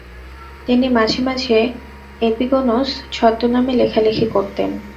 তিনি মাঝে মাঝে এপিগোনোস ছদ্মনামে লেখালেখি করতেন।